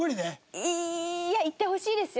いや言ってほしいですよ。